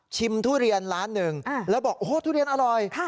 ชิมทูเรียนร้านนึงแล้วบอกทูเรียนอร่อย